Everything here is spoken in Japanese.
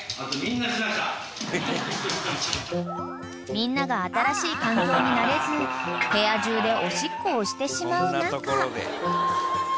［みんなが新しい環境に慣れず部屋中でおしっこをしてしまう中］